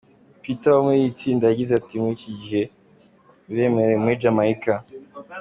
Peetah wo muri iri tsinda yagize ati "Muri iki gihe ruremewe muri Jamaica.